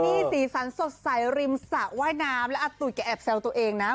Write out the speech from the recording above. นี่สีสันสดใสริมสระว่ายน้ำแล้วอาตุ๋ยแกแอบแซวตัวเองนะ